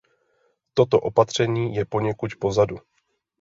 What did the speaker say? Toto opatření je poněkud pozadu.